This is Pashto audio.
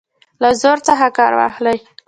له زور څخه کار واخلي.